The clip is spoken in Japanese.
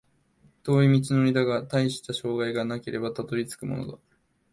遠い道のりだが、たいした障害がなければたどり着くものだ